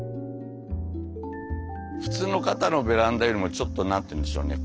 普通の方のベランダよりもちょっと何て言うんでしょうね